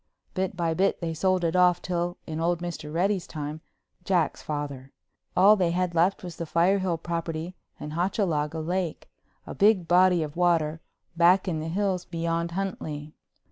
Bit by bit they sold it off till in old Mr. Reddy's time—Jack's father—all they had left was the Firehill property and Hochalaga Lake, a big body of water, back in the hills beyond Huntley.